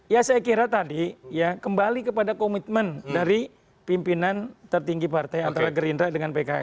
ya saya kira tadi ya kembali kepada komitmen dari pimpinan tertinggi partai antara gerindra dengan pks